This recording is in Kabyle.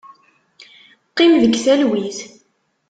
Qqim deg talwit.